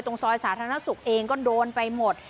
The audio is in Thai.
ซอยสาธารณสุขเองก็โดนไปหมด